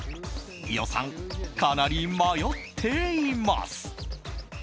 伊代さん、かなり迷っています。